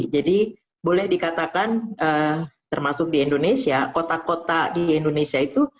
jadi boleh dikatakan termasuk di indonesia kota kota di indonesia itu